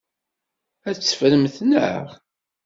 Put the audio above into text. Ad t-teffremt, naɣ?